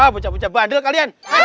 bocah bocah badal kalian